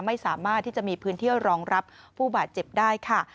ไม่สามารถที่จะมีพื้นที่รองรับผู้บาดเจ็บได้ค่ะ